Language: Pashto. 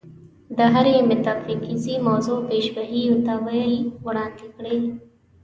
د هرې میتافیزیکي موضوع تشبیهي تأویل یې وړاندې کړی.